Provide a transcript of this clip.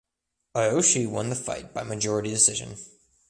Aoshi won the fight by majority decision.